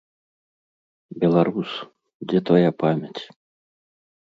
Беларус, дзе твая памяць?!